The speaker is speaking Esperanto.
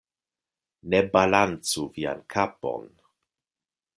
Ne balancu vian kapon.